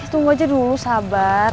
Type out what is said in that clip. tunggu aja dulu sabar